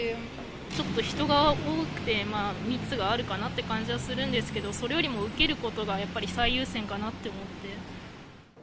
ちょっと人が多くて、密があるかなって感じはするんですけど、それよりも受けることがやっぱり最優先かなと思って。